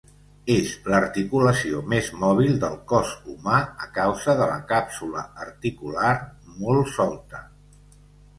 És l'articulació més mòbil del cos humà a causa de la càpsula articular molt solta.